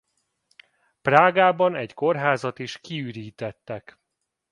Prágában egy kórházat is kiürítettek.